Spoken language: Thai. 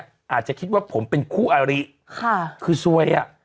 อาจจะคิดว่าผมเป็นคู่อาริค่ะคือซวยอ่ะ